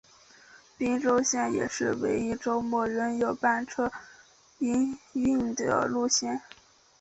宾州线也是唯一周末仍有班车营运的路线。